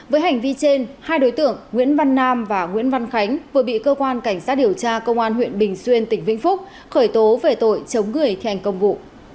với hành vi trên hai đối tượng nguyễn văn nam và nguyễn văn khánh vừa bị cơ quan cảnh sát điều tra công an huyện bình xuyên tỉnh vĩnh phúc khởi tố về tội chống người thi hành công vụ